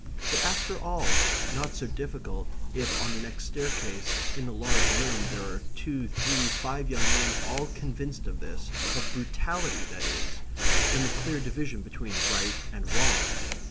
But, after all, not so difficult if on the next staircase, in the large room, there are two, three, five young men all convinced of this of brutality, that is, and the clear division between right and wrong.